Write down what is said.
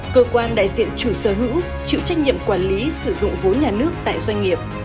cơ quan đại diện chủ sở hữu chịu trách nhiệm quản lý sử dụng vốn nhà nước tại doanh nghiệp